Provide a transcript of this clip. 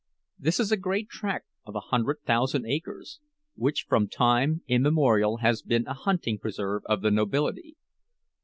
This is a great tract of a hundred thousand acres, which from time immemorial has been a hunting preserve of the nobility.